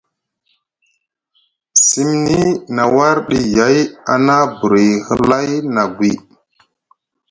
Simni na warɗi tay a na buri hlay nʼagwi.